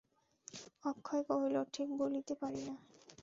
অক্ষয় কহিল, ঠিক বলিতে পারি না।